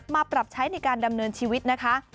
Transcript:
มาปรับใช้ในการดำเนินชีวิตนะคะ